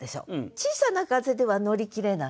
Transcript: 小さな風では乗り切れない。